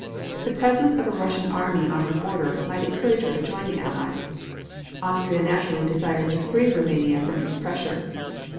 The presence of a Russian army on her border might encourage her to join the Allies. Austria naturally desired to free Roumania from this pressure.